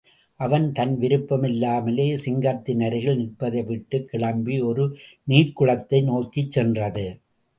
அவன் தன் விருப்பம் இல்லாமலே, சிங்கத்தின் அருகில் நிற்பதைவிட்டுக் கிளம்பி, ஒரு நீர்க்குளத்தை நோக்கிச் சென்றது.